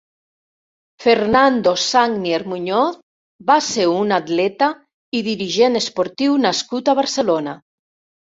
Fernando Sagnier Muñoz va ser un atleta i dirigent esportiu nascut a Barcelona.